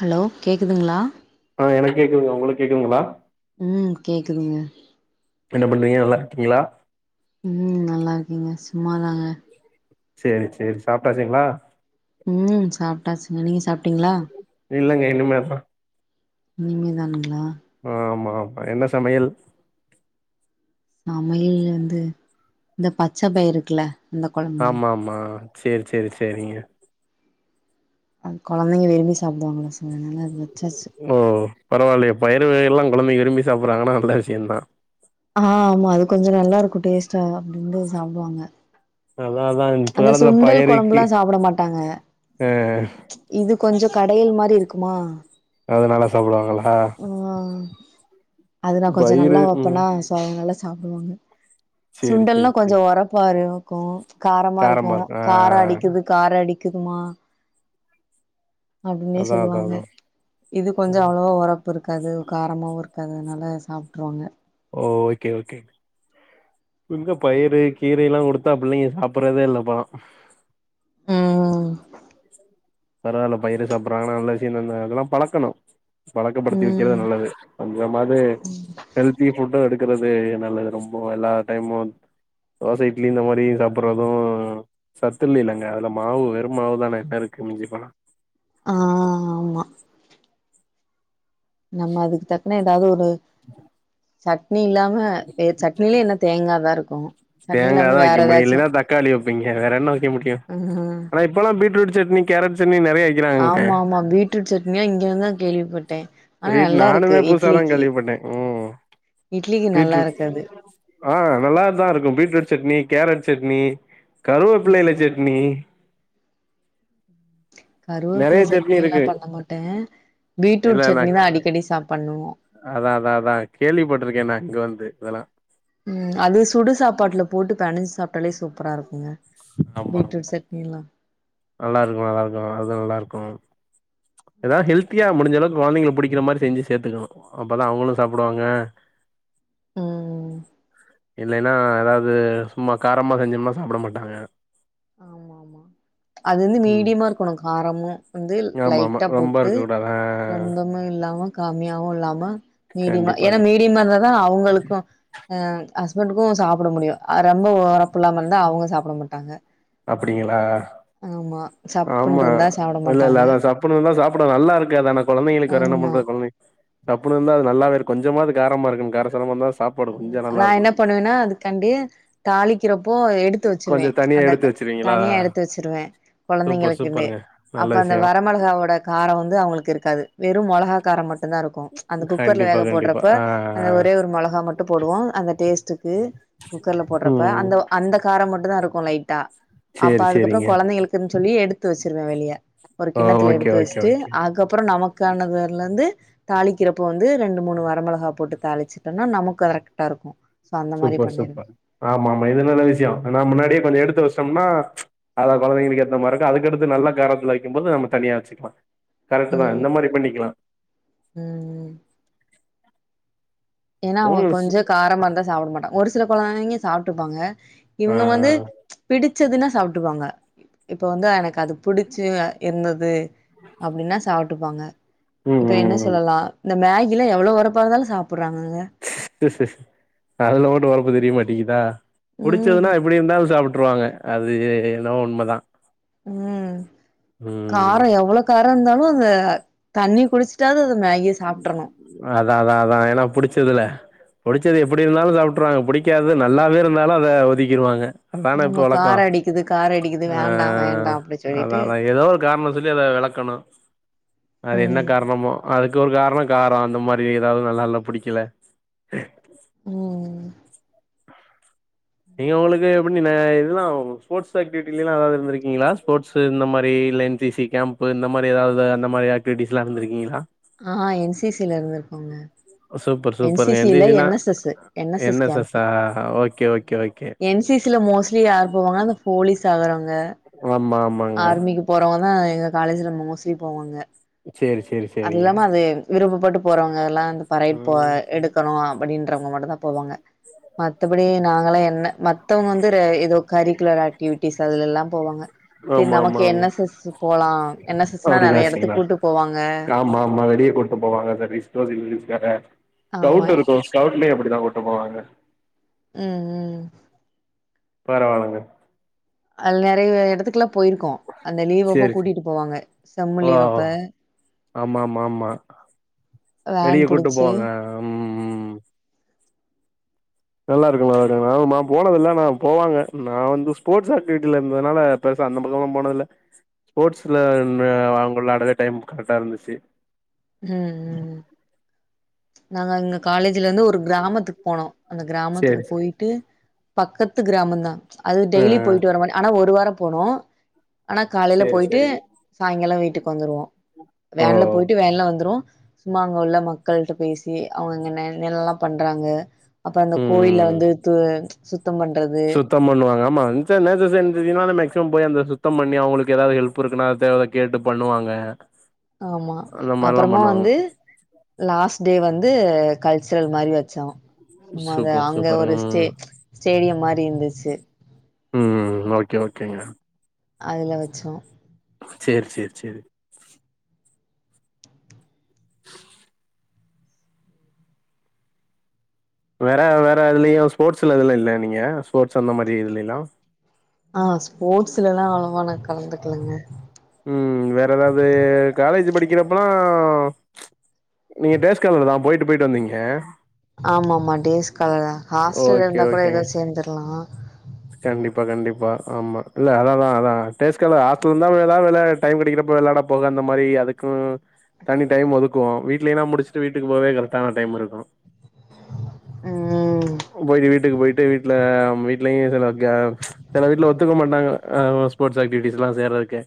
Hello கேட்குதுங்களா ஆ எனக் கேக்குதுங்க உங்களுக்கு கேக்குதுங்களா ம் கேக்குதுங்க என்ன பண்றீங்க நல்லாருக்கீங்களா ம் நல்லா இருக்கேங்க சும்மாதாங்க சரி சரி சாப்பிட்டாச்சுங்களா ம் சாப்பிட்டாச்சுங்க நீங்க சாப்பிட்டீங்களா இல்லங்க இனிமேதா இனிமேதானுங்களா ஆமா ஆமா என்ன சமையல் சமையல் வந்து இந்த பச்சை பயிரு இருக்குல அந்த கொழம்புங்க ஆம ஆமா சரி சரி சரிங்க அது கொழந்தைங்க விரும்பி சாப்பிடுவாங்களா சல்ல அதனால் அத வச்சாச்சு பரவால்லையே பயிரரு வகை எல்லாம் குழந்தைங்க விரும்பி சாப்பிட்றாங்கன்னா நல்ல விஷயம்தான் ஆஹ ஆமா அது கொஞ்சம் நல்லாருக்கும் டேஸ்ட்டா அப்படின்ந்து சாப்பிடுவாங்க அதா‌அதா அந்த சுண்டல் குழம்புல்லாம் சாப்பிட மாட்டாங்க ஆ இது கொஞ்சம் கடையல் மாதிரி இருக்குமா அதனால சாப்பிடுவாங்களா அது நா கொஞ்ச பயிறு நல்லா ம் வைப்பேன்னா ஸோ அவங்க நல்லா சாப்பிடுவாங்க சேரி சுண்டல்லா சேரி கொஞ்ச சேரி உரப்பா இருக்கு காரமா இருக்கும் இருக்கு ஆ கார அடிக்குறதுக்கு கார அடிக்குதுமா அப்டின்னே அதா அதா சொல்லுவாங்க அதா இது கொஞ்ச ம். அவ்ளவா உர உரப்பு இருக்காது தாவரமாக இருக்காது அதனால சாப்பிட்ருவாங்க ஓ ஓகே ஓகே எங்க பயிறு கீரையெல்லா குடுத்தா புள்ளைங்க சாப்பிடறதே இல்ல இப்பல்லா ம் பரவால பயிரு சாப்படுறாங்கன்னா நல்ல விஷயந்தான அந்த அதுல்லா பழக்கணு பழக்கப்படுத்தி வைக்கிறது ம் நல்லது கொஞ்சமாவது ஹெல்த்தி ஃபுட்டு எடுக்கறது நல்லது ரொம்ப எல்லா டைமு வந்த தோசை இட்லி இந்த மாறி சாப்பிடறது சத்து‌இல்லேலங்க அதுல மாவு வெறு மாவு தானே என்ன இருக்கு மிஞ்சு போனா ஆ ஆமா நம்ம அதுக்கு தக்கன ஏதாவது ஒரு சட்னி இல்லாம வே சட்னி இல்வ என்ன தேங்காயதா இருக்கு சட்னி இல்லாம தேங்காதா வேற வைக்க முடியு இல்லன்னா தக்காளி வைப்பங்க வேற என்ன வைக்க முடியு அ ஆனா இப்பல்லா பீட்ரூட் சட்னி கேரட் சட்னி நறைய ஆமா ஆமா பீட்ரூட் சட்னினா இங்க வந்து தா கேள்விப்பட்டே ஆனா ரீட் நல்லா இருக்கு நானுமே புதுசாதா இட்லிக்கு கேள்விப்பட்டே ம் இட்லிக்கு நல்லா பீட்ரூட் இருக்கு அது ஆ நல்லதா இருக்கு பீட்ரூட் சட்னி கேரட் சட்னி ம் கருவப்பில்லைல சட்னி கருவப்பில நெறைய சட்னி சட்னில்லா இருக்கு பண்ண மாட்ட இல்ல பீட்ரூட் இல்ல சட்னி தா அடிக்கடி சாப் பண்ணுவோ அதா அதா அதா கேள்விப்பட்ருக்கே நா இங்க வந்து இதெல்லா ம் அது சுடு சாப்பாட்டுல போட்டு பெணஞ்சு சாப்ட்டாலே சூப்பரா இருக்குங்க ஆமா ஆமா பீட்ரூட் சட் னிலா நல்லா இருக்கு நல்லா இருக்கு அது நல்லா இருக்கு எதா ஹெல்த்தியா முடிஞ்சளவு கொழந்தைகளுக்கு புடிக்கிற மாிரி செஞ்சு சேத்துக்கணு அப்பதா அவுங்களு சாப்டுவாங்க ம் இல்லைன்னா எதாவது சும்மா காரமா செஞ்சோம்னா சாப்ட மாட்டாங்க ஆமா ஆம் அது வந்து ம் மீடியமா இருக்கணு காரமு வந்து ஆமா ஆமா லைட்டா ரொம்ப போட்டு இருக்க கூடாது ஆ ரொம்பம இல்லாம காம்மியாவு இல்லாம மீடியமா ஏனா கண்டிப்பாக மீடியமா இருந்தாதா அவுங்களுக்கு அ ஹஸ்பண்ட்டுக்கு சாப்ட முடியு அ ரொம்ப ஒரப்புல்லாம இருந்தா அவுங்க சாப்ட மாட்டாங்க அப்படிங்களா ஆமா சப்புன்னு ஆமா இருந்தா சாப்ட இல்ல இல்ல மாட்டாங்க அதா சாப்புண இருந்தா சாப்பட நல்லா இருக்குதா ஆனா கொழந்தைங்களுக்கு வேற என்ன ஆமா பண்றது கொழந்தை சப்புன்னு இருந்தா அது நல்லாவே இரு கொஞ்சமாது காரமா இருக்ணு கார சாரம இருந்தா சாப்பாடு ம் கொஞ்ச நல்லா நா என்ன இருக்கணு பண்ணுவேன்னா அது காண்டி தாளிக்கிறப்போ எ எடுத்து வச்சிருவே கொஞ்ச தனியா அந்த எடுத்து வச்சிருவீங்களா தனியா எடுத்து வச்சிருவ சூப்பர் கொழந்தைங்களுக்குனு சூப்பருங்க நல்ல அப்ப அந்த விஷயோ வரமிளகாவோட காரோ வந்து அவுங்களுக்கு இருக்காது வெறு மொளகா கார மட் டுதா இருக்கு அந்த குக்கர்ல கண்டிப்பா வேக கண்டிப்பா போடுறப்ப ஆ அந்த ஒரே ஒரு மொளகா மட் போடுவோ அந்த டேஸ்டுக்கு குக்கர்ல போடுறப்ப ம் அந்த அந்த காரோ மட்டு தா இருக்கு லைட்டா அப்ப சேரி அதுக்கப்புறோ சேரிங்க கொழந்தைகளுக் குன் சொல்லி எடுத்து வச்சிருவ வெளிய ஒரு ஓ கிண்ணத்துல ஓகே எடுத்து ஓகே வச்சுட்டு ஓகே அதுக்கப்புறோ நமக் கானதுல இந்து தாளிக்கிறப்ப வந்து ரெண்டு மூணு வரமிளகா போட்டு தாளிச்சட்டோம்னா நமக் கு கரெக்ட்டா இருக்கு சூப்பர் சூப்பர் ஆமா ஆமா இது நல்ல விஷயோ ஆனா முன்னாடியே கொஞ்சோ எடுத்து வச்டோம்னா அதா கொழந்தைங்களுக்கு ஏத்த மாரி இருக்கு அதுக்கடுத்து நல்ல காரத்துல வைக்கும்போது நம்ம தனியா வச்சுக்கலா கரெக்ட்டு தா இந்த மாரி பண்ணிக்கலா ம் ம் ஏனா அவுங்க ம் சு கொஞ்சோ காரமா இருந்தா சாப்ட மாட்டாங்க ஒரு சில கொழந்தைங்க சாப்ட்டுபாங்க ஆ இவுங்க வந்து பிடிச்சதுன்னா சாப்ட்டுபாங்க இப்ப வந்து எனக்கு அது புடிச்சு இருந்துது அப்டின்னா சாப்டுப்பாங்க ம் இப்ப என்ன ம் சொல்லலா இந்த மேகிலா எவ்ளோ ஒரப்பா இருந்தாலு சாப் புறாங்கங்க அதுல மட்டு ஓரப்பு தெரிய மாட்டேங்கிதா புடிச்சதுன்னா ம் எப்டி இருந்தாலு சாப் ட்ருவாங்க அது என்னமோ உண்மதா ம் ம் காரோ எவ்ளோ காரோ இருந்தாலு அந்த தண்ணி குடிச்சிட்டாவது அந்த மேகி அதா அதா அதா ஏனா புடிச்சதுல புடுச்சது எப்டி இருந்தாலு சாப்ட்ருவாங்க புடிக்காதது நல்லாவே இருந்தாலு அத ஒதுக்கிருவாங்க அதானே இப்போ ஆமா வழக்கொ காரோ அடிக்குது காரோ அடிக்குது ஆ வேண்டா வேண்டா அப்டி சொல்லிட்டு அததா எதோ ஒரு காரண சொல்லி அத வெலக்கனு அது என்ன ம் காரணமோ அதுக்கு ஒரு காரணொ காரொ அந்த மாரி எதாவ்து நல்லால்ல புடிக்கல ம் நீங்க உங்களுக்கு எப்பிடின இதுல்லா ஸ்போர்ஸ் ஆக்டிவிட்டிலல்லா எதாவ்து இருந்துருக்கிங்களா ஸ்போர்ட்ஸு இந்த மாரி இல்ல என் சி சி கேம்ப்பு இந்த மாரி எதாவ்து அந்த மாரி ஆக்டிவிட்டிஸ்லா இருந்திருக்கீங்ளா? ஆ என் சி சி ல இருந்துருக்கோங்க என் சி சி இல்ல N S S N S S camp okay okay okay N C C ல மோஸ்லி யார் போவாங்கனா இந்த போலிஸ் ஆகுறவ்ங்க ஆமா ஆ ஆர்மிக்கு போறவ்ங்க தா எங்க காலேஜ்ல மோஸ்லி போவாங்க சேரி சேரி அது சேரிங்க இல்லாம அது விருப்பப்பட்டு போறவங்கல்லா இந்த பறையட் போ ம் எடுக்கனு அப்புடின்றவ்ங்க மட்டுதா போவாங்க மத்தபடி நாங்களா என்ன மத்தவுங்க வந்து ரே எ தோ கரிக்குலர் ஆக்டிவிட்டிஸ் அதுலல்லா போவாங்க சரி நமக்கு ஆமாமாங்க என் எஸ் எஸ் போலா என் எஸ் எஸ் னா அப்டிதா நெறைய எடத்துக்கு [unintelligible] கூட்டு போவாங்க ஆமாமா வெளிய‌ கூட் டுபோவாங்க சர்வீஸ் [unintelligible] ஆமா ஸ்கவுட் இருக்கு ஸ்கவுட்லயு அப்டிதா கூட்டு போவாங்க ம் ம் பரவால்லங்க அல் நெறைய எடத்துக்லா போயிருக்கோ அந்த லீவ் அப்ப சேரி சே கூட்டிட்டு போவாங்க செம்மு லீவ் அப்ப ஆமாமாமா வேன் வெளிய கூட்டு புடிச்சு போவாங்க அம் ம் நல்லாருக்கு [unintelligible] மா போனதில்ல ஆனா போவாங்க நா வந்து ஸ்போர்ட்ஸ் ஆக்டிவிட்டில இருந்ததுனால பெருசா அந்த பக்கல்லா போனதில்ல ஸ்போர்ட்ஸுல அந்த அவுங் வெளாடவே டைம் கரெக்டா இருந்துச்சு ம் ம் நாங்க இங்க காலேஜ்லந்து ஒரு கிராமத்துக்கு போனோ அந்த கிராமத்துக்கு சேரி சே போயி ட்டு பக்கத்து கிராமந் தா அது ஆ டெய்லி போய்ட்டு வர மா ஆனா ஒரு வார போனோ ஆனா காலைல சேரி போய்ட்டு சேரி சாய்ங்கால வீட்டுக்கு வந்துருவோ ஓ வேன்ல போய்ட்டு வேன்ல வந்துருவோ சும்மா அங்க உள்ள மக்கள்ட்ட பேசி அவுங்க அங்க என்ன என்னல்லா பண்றாங்க அப்ப அந்த கோயில ம் வந்து து சுத்தம் பண்றது சுத்தம் பண்ணுவாங்க ஆமா இன்ஸ நேஸஸ் என் சி சி னால மேக்சிமம் போயி அந்த சுத்தம் பண்ணி அவுங்களுக்கு எதாவ்து ஹெல் ப்புருக்குனா தேவ கேட்டு பண்ணுவாங்க ஆமா அந்த மாரிலா அப்புறமா பண்ணுவாங்க வந்து லாஸ்ட் டே வந்து கல்ச்சுரல் மாரி வச்சோ சும்மாத சூப்பர் அங்க சூப்பர் ஒரு ஸ்டே ஸ்டேடியம் மாரி இருந்துச்சு ம் ஓகே ஓகேங்க அதுல வச்சோ சேர் சேர் சேரி வேற வேற எதுலயு ஸ்போர்ட்ஸ்ல எதுல இல்ல நீங்க ஸ்போர்ட்ஸ் அந்த மாரி இதுலைலா ஆ ஸ்போர்ட்ஸ்லல்லா அளவா நா கலந்துக்லங்க ம் வேற எதாவ்து காலேஜ் படிக்கிறப்பலா நீங்க டே‌ ஸ்காலரு தா போயிட்டு போயிட்டு வந்தீங்க ஆமாமா டேஸ்காலர்தா ஹாஸ்டல்ல ஓகே இருந்தா கூட ஓகேங்க எதா சேந்துர்லா கண்டிப்பா கண்டிப்பா ஆமா இல்ல அதாதா அதா டேஸ்காலர்‌ ஹாஸ்டல்லந்தா எதா இதுல டைம் கெடைக்கிறப்ப வெளாட போக அந்த மாரி அதுக்கு தனி டைம் ஒதுக்குவோ வீட்லேனா முடிச்சுட்டு வீட்டுக்கு போவே கரக்டான டைம் இருக்கு ம் போயிட்டு வீட்டுக்கு போயிட்டு வீட்ல வீட் லையு செலங்க செல வீட்ல ஒத்துக்க மாட்டாங்க ஸ்போர்ட்ஸ் ஆக்டிவிட்டிஸ்லா சேறக்கு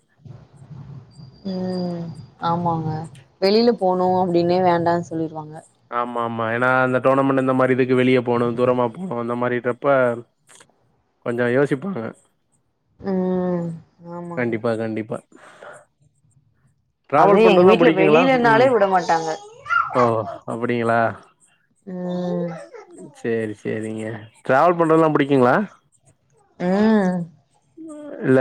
ம் ஆமாங்க வெளில போணு அப்டின்னே வேண்டா சொல்லிருவாங்க ஆமாமா ஏன்னா அந்த டூர்னமெண்ட் இந்த மாதிரி இதுக்கு வெளியே போணு தூரமா போணு அந்த மாரிட்ரப்ப கொஞ்சோ யோசிப்பாங்க ம் ஆமாங்க கண்டிப்பா கண்டிப்பா அதே டிராவல் எங்க பண்றதெல்லாம் வீட்ல புடிக்குங்களா? ம். வெளிலனாலே உட மாட்டாங்க ஓ! அப்படிங்களா? ம் சேரி செரிங்க டிரவல் பண்றதுல்லா புடிக்குங்ளா ம் ம் ஆமா இல்ல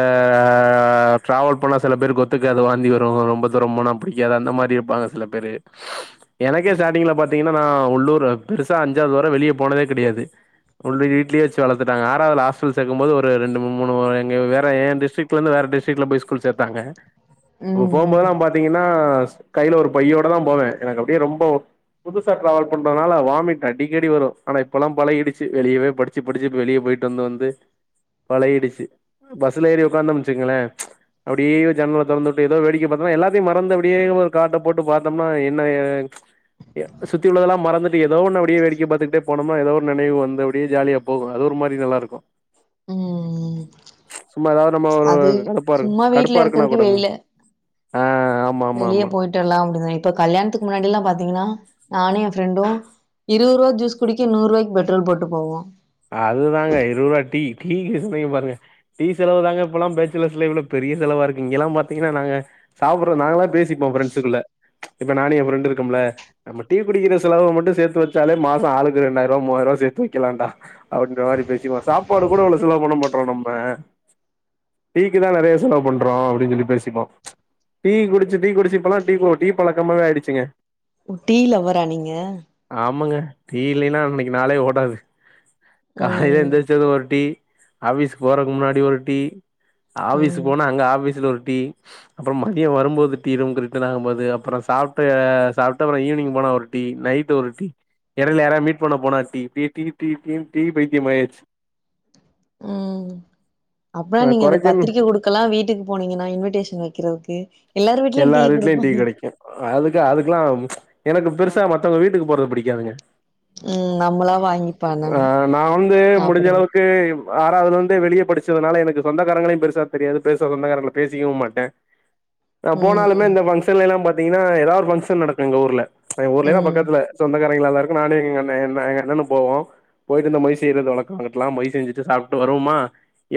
ட்ராவல் பண்ணா சில பேருக் ஒத்துகாது வாந்தி வரு ரொம்ப தூரோ போனா புடிக்காது அந்த மாரி இருப்பாங்க சில பேரு [unintelligible] எனக்கே ஸ்டார்டிங்ல பாத்தீங்கனா நா உள்ளூரு பெருசா அஞ்சாவது வர வெளிய போனதே கெடையாது உள்ள வீட்லே வச்சி வளத்துட்டாங்க ஆறாவது ஹாஸ்டல் சேக்கும் போது ஒரு ரெண்டு மூண் மூணு வாரோ எங்க வேற எ டிஸ்டிட்லந்து வேற டிஸ்டிட்ல போய் ஸ்கூல் சேர்த்தாங்க ம் போம்போது தா ம் பார்த் தீங்கன்னா கையில ஒரு பையோட தா போவே எனக்கு அப்டியே ரொம்போ புதுசா டிராவல் பண்றதுனால வாமிட் அடிக்கடி வரு ஆனா இப்பெல்லா பழகிடுச்சு வெியவே ப டிச்சு படிச்சு இப்ப வெளிய போயிட்டு வந்து வந்து பழகிடுச்சு பஸ்ல ஏறி உட்காந்தகம் வச்சுகங்ளே அப்டியே ஒரு ஜன்னல தொறந்துவுட்டு ஏதோ வேடிக்க பார்த்தோனா எல்லாத்தையு மறந்து அப்டியே ஒரு காட்ட போட்டு பார்த்தோம்னா என்ன சுத்தி உள்ளதல்லா மறந்துட்டு எதோ ஒன்னு அப்டியே வேடிக்க பாத்துக்ட்டே போனம்மா ஏதோ ஒரு நினைவு வந்த அப்டே ஜாலியா போகு அது ஒரு மாரி நல்லா இருக்கு ம் சும்மா ஏதாவது நம்ம ஒரு அது கடுப்பா இருக் சும்மா கடுப்பா வீட்ல இருக்குனா இருக்கறதுக்கு கூடம் வெளில ஆ ஆமா ஆமா வெளிய ஆமா போயிட்டு வர்லா அப்டிதா இப்ப கல்யாணத்துக் முன்னாடிலா பாத்தீங்கனா நானு என் ஃப்ரெண்டு இருவது ரூவா ஜூஸ் குடிக்க நூறுபாய்கு பெட்ரோல் போட்டு போவோ அதுதாங்க இருவதுரூவா டீ டீக்கு சொன்னீங்க பாருங்க டீ செலவு தாங்க இப்பல்ல பேச்சுலர்ஸ் லைஃப்ல பெரிய செலவா இருக்கு இங்கெல்லா பாத்தீங்கனா நாங்க சாப்புற நாங்களா பேசி ப்போ ஃப்ரெண்ட்ஸ்குள்ள இப்ப நானு என் ஃப்ரெண்ட்டு இருக்கம்ல நம்ம டீ குடிகிற செலவு மட்டு சேர்த்து வச்சாலே மாசோ ஆளுக்கு ரெண்டாயிர ரூவி மூவாயிர ரூவா சேத்து வைக்கலான்டா அப்டின்ற மாரி பேசிக்குவோ சாப்பாடு கூட இவ்ளோ செலவு பண்ண மாட்றோ நம்ம டீக்கு தா நறைய செலவு பண்றோ அப்டின் சொல்லி பேசிப்போ டீ குடிச்சு டீ குடிச்சு இப்பல்லா டீ டீ பழக்கமாவே ஆயிடுச்சுங்க டீ லவ்வரா நீங்க ஆமாங்க டீ இல்லைன்னா அன்னைக்கி நாளே ஓடாது காலைல ம் எந்திரிச்சது ஒரு டீ ஆஃபீஸ்க்கு போறக்கு முன்னாடி ஒரு டீ ஆஃபிஸ்க்கு ம் போனா அங்க ஆஃபீஸ்ல ஒரு டீ அப்புறோ மதியோ வரும்போது டீ ரூம்க்கு ரிட்டர்ன் ஆகும் போது அப்புற சாப்ட்டு சாப்ட்டு அப்புற ஈவ்னிங் போனா டீ நைட் ஒரு டீ இடைல யாரா மீட் பண்ண போனா tea tea tea tea tea tea பைத்தியம் ஆய்யாச்சு ம் அப்பனா ஆ நீங்க அத கொறைக்கன் பத்திரிக்க குடுக் க்கல்லா வீட்டுக்கு போனீங்கினா இன்விடேஷன் வெக்கிறதுக்கு எல்லார் வீட்லயு டீ கெடைக்கு அதுக்கா அதுக்குலா எனக்கு பெருசா மத்தவங்க வீட்டுக்கு போறது புடிக்காதுங்க ம் நம்மளா வாங்கி அ பண்ணணு நா வந்து சாப்புடணு முடிஞ்சளவுக்கு ஆறாவதுலிந்தே வெளிய படிச்சதுனால எனக்கு சொந்தாரங்களையு பெருசா தெரியாது பெருசா சொந்தக்காரங்கள பேசிக்கவு மாட்டே போனாலுமே ம் இந்த ஃபங்கஷன்லெலா பாத்தீங்கினா எதாவ் ஒரு ஃபங்க்ஷன் நடக்கு எங்க ஊர்ல அ ஊர்லன்னா ம் பக்கத்ல சொந்தக்காரங்லாதா இருக்கு நானு எங்க அண்ணே என்ன எங்க அண்ணணு போவோ போய்ட்டு இந்த மொய் செய்யறது வழக்கம் அங்கிட்லா மொய் செஞ்சுட்டே சாப்ட்டு வருவுமா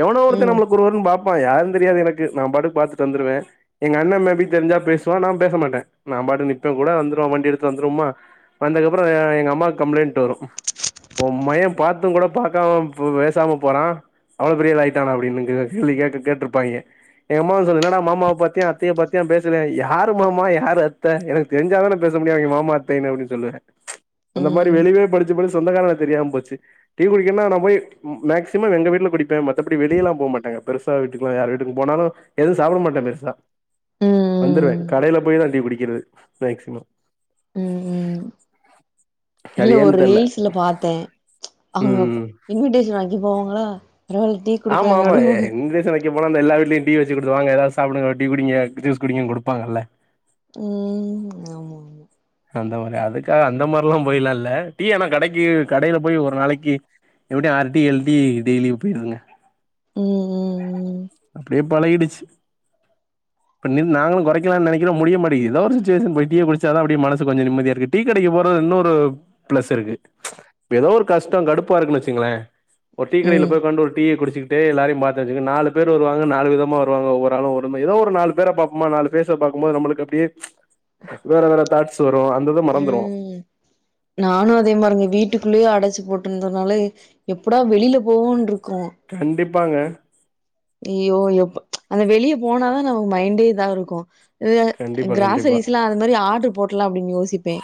எவனோ ஒருத்தே ம் நம்மள குறுகுறுனு பாப்பான் யாருன் தெரியாது எனக்கு நா பாட்டுக் பாத்துட்டு வந்துருவே எங்க அண்ணே மேபி தெரிஞ்சா பேசுவா நா பேச மாட்டே நா பாட்டுக் நிப்பங்கூட வந்துருவு வண்டி எடுத்து வந்துருவும்மா வந்தக்கப்புறோ எங்க அம்மாக் கம்ப்ளைண்ட் வரு உ மையே பாத்துங்கூட பாக்காம ப பேசாம போறா அவ்ளோ பெரியவனா ஆய்ட்டானா அப்டின்னு க கேள்வி கேட்ரு கேட்ருப்பாய்ங்க எங்க அம்மா வந் சொல்லு இன்னாடா மாமாவ பாத்தியா அ த்தய பாத்திய பேசலே யாரு மாமா யாரு அத்த எனக்கு தெரிஞ்சாதானே பேச முடியு அவுங்க மாமா அத்தைன்னு அப்டின் சொல்லுவே அந்த மாரி ம் வெளிவே படிச்சு படிச் சு சொந்தகாரங்ள தெரியாம் போச்சு டீ குடிக்கன்னா நா போய் மேக்சிமம் எங்க வீட்ல குடிப்பே மத் தபடி வெளியலா போமாட்டங்க பெருசா வீட்டுக்லா யார் வீட்டுக்கு போனாலு எதுவு சாப்பட மாட்டே பெருசா ம் வந்துருவே ம் கடையில போய்தா டீ குடிக்கிறது மேக்சிமம் ம் ம் இல்ல அது ஒரு ஏன்னு தெர்ல ரீல்ஸ்ல பாத்தே அவுங்கப் ம் இன்விடேஷன் வெக்க போவாங்களா பரவால்லிங் ஆமா ஆமா எ இன்விடேஸன் வெ க்க போனா இந்த எல்லா வீட்லயு வெச்சு குடுத்துவாங்க எதாவ்து சாப்டுங்க டீ குடிங்க ஜூல்ஸ் குடிங்கன் குடுப்பாங்கல்ல ம் ஆமா ஆமா அந்த மாரி அதுக்காக அந்த மார்ல்லா போய்லா இல்ல டீ ஆனா கடைக்கு கடையில போய் ஒரு நாளைக்கி எப்படியு ஆறு டீ எழு டீ டெய்லியு போய்டுங்க ம் ம் ம் அப்படியே பழகிடுச்சு இப்ப நி நாங்களு கொறைக்கலான் நெனைக்கிறோ முடிய மாட்டிக்கி எதா ஒரு சுச்சுவேஸன் போய் டீய குடிச்சாதா அப்படியே மனசு கொஞ்சோ நிம்மதியாருக்கு டீ கடைக்கு போறது இன்னொரு ப்ளஸ் இருக்கு இப்ப எதோ ஒரு கஷ்டோ கடுப்பா இருக்குன் வெச்சுங்களே ஒரு டீ ம் கடையில ம் போய் உக்காண்டு ஒரு டீய குடிச்சிகிட் டு எல்லாரியு பாத்த வெச்சிக்க நாலு பேரு வருவங்க நாலு விதமா வருவாங்க ஒவ்வொரு ஆளு ஒவ்வொரு மாரி எதோ ஒரு நாலு பேர பாப்போமா நாலு ஃபேஸ பாக்கும்போது நம்பளுக் அப்டியே வேற வேற தாட்ஸ் வரு அந்தித மறந்திருவோ ம் நானு அதே மாரிங்க வீட்டுக்குள்ளயே அடச்சி போட்டுந்தனால எப்படா வெளில போவோன்ட்ருக்கோ கண்டிப்பாங்க அய்யோ எப் அந்த வெளிய போனாதா நமக்கு மைண்டே இதா இருக்கு கண்டிப்பா [unintelligible] கண்டிப்பா கிராசரிஸ்லா அந்தமாரி ஆடரு போட்டுல்லா அப்டின் யோசிப்பே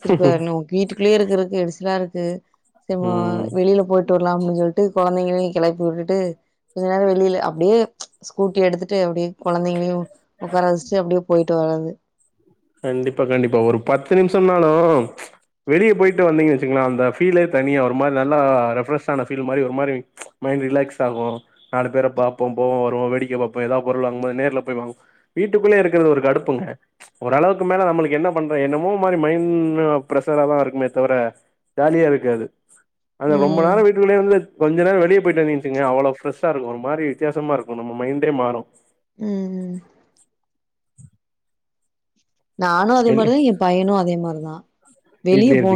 செரி இப்ப ன்னு வீட்டுக்குள்ளயே இருக்கிறக்கு எரிசலா இருக்கு சும்மா ம் வெளில போயிட்டு வர்லா அப்டின் சொல்ட்டு கொழந்தைங்களையு கெளப்பி வுட்டுட்டு கொஞ்ச நேரோ வெளில அப்டியே ஸ்கூட்டி எடுத்துட்டு அப்டியே கொழந்தைங்களயு உக்கார வெஷ்ட்டு அப்டியே போய்ட்டு வரது கண்டிப்பா கண்டிப்பா ஒரு பத்து நிம்ஷம்னாலு வெளிய போய்ட்டு வந்தீங்ன் வெச்சுங்ளே அந்த ஃபீலே தனியா ஒரு மாரி நல்லா ரெஃப்ரெஷ்ஷான ஃபீல் மாரி ஒரு மாரி மைண்ட் ரிலாக்ஸ் ஆகு நாலு பேர பாப்போம் போவோ வருவோ வேடிக்க பாப் எதா பொருள் வாங்கும் போது நேர்ல போய் வாங்கு வீட்டுக்குள்ளே இருக்கறது ஒரு கடுப்புங்க ஓரளவுக்கு மேல நம்மளுக்கு என்ன பண்றோ என்னமோ மாரி மைண்ட் பிரெஷ்ஷரா தா இருக்குமே தவர ஜாலியா இருக்காது அது ரொம்ப ம் நேரம் வீட் குள்ளேந்து கொஞ்ச நேரோ வெளிய போயிட்டு வந்தீங்க வச்சுங்க அவ்ளோ ஃப்ரெஷ்ஷா இருக்கு ஒரு மாரி வித்தியாசமா இருக்கு நம்ம மைண்டே மாறு ம் ம் நானு அதே மாரிதா எ பையனு அதே மாரிதா வெளிய இட்லி போ இருக்கு